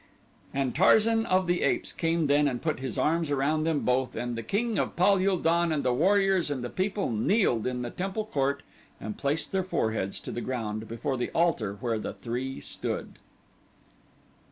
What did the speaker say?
And Tarzan of the Apes came then and put his arms around them both, and the King of Pal ul don and the warriors and the people kneeled in the temple court and placed their foreheads to the ground before the altar where the three stood.